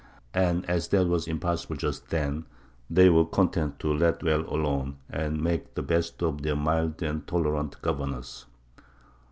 And as that was impossible just then, they were content to let well alone, and make the best of their mild and tolerant governors.